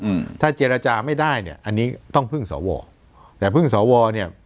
อืมถ้าเจรจาไม่ได้เนี้ยอันนี้ต้องพึ่งสวแต่พึ่งสวเนี่ย